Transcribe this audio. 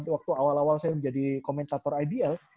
waktu awal awal saya menjadi komentator ibl